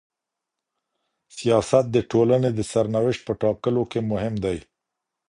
سياست د ټولني د سرنوشت په ټاکلو کي مهم دی.